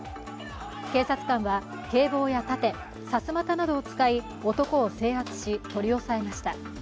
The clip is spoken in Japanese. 警察官は警棒や盾、さすまたなどを使い男を制圧し、取り押さえました。